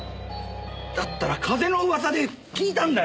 だったら風の噂で聞いたんだよ。